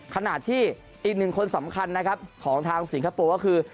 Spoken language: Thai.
ขณะที่อีกหนึ่งคนสำคัญนะครับของทางสิงคโปร์ก็คือ